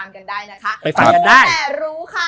เข้าไปติดตามกันได้นะครับ